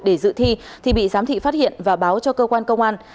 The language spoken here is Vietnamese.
để dự thi thì bị giám thị phát hiện và báo cho cơ quan công an